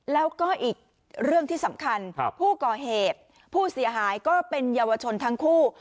แล้วก็อีกเรื่องที่สำคัญผู้ก่อเหตุผู้เสียหายก็เป็นเยาวชนทั้งคู่